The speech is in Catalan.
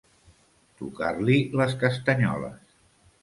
Tocar-li les castanyoles.